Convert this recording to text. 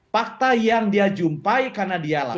fakta yang dia jumpai karena dia katakan